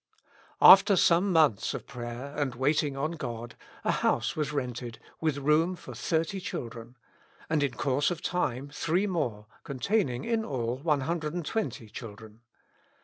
After some months of prayer and waiting on God, a house was rented, with room for thirty children, and in course of time three more, containing in all 120 children.